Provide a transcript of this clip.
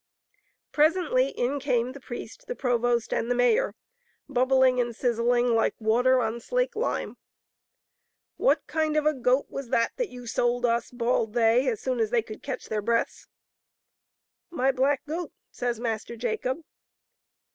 Presently in came the priest, the provost, and the mayor, bubbling and sizzling like water on slake lime. " What kind of a goat was that that you sold us ?" bawled they, as soon as they could catch their breaths. " My black goat," says Master Jacob.